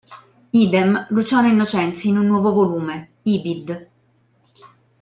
Idem, "Luciano Innocenzi in un nuovo volume, "Ibid.